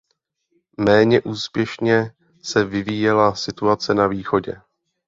Méně úspěšně se vyvíjela situace na Východě.